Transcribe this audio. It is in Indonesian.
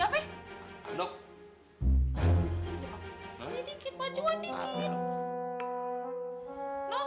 hah jadi apa